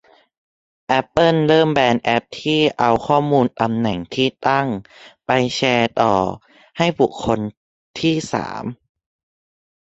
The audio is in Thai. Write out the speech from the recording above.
แอปเปิลเริ่มแบนแอปที่เอาข้อมูลตำแหน่งที่ตั้งไปแชร์ต่อให้บุคคลมี่สาม